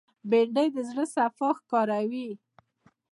بېنډۍ د زړه صفا ښکاروي